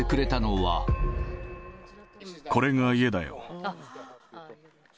これが家だよ。